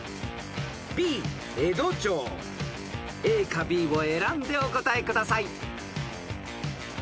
［ＡかＢを選んでお答えください］